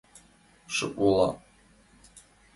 Шып вола